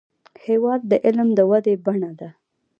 هېواد د علم د ودې بڼه ده.